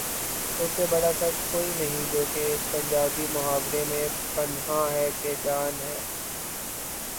اس سے بڑا سچ کوئی نہیں جو کہ اس پنجابی محاورے میں پنہاں ہے کہ جان ہے۔